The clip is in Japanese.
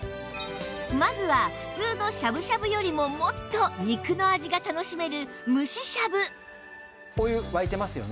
まずは普通のしゃぶしゃぶよりももっと肉の味が楽しめる蒸ししゃぶお湯沸いてますよね。